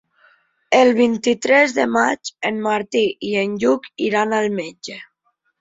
El vint-i-tres de maig en Martí i en Lluc iran al metge.